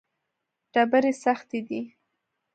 ډبرې سختې دي.